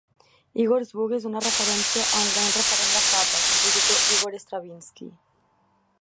"Igor's Boogie" és una referència a un gran referent de Zappa, el compositor Igor Stravinsky.